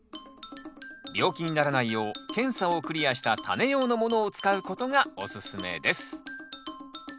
病気にならないよう検査をクリアしたタネ用のものを使うことがおすすめです。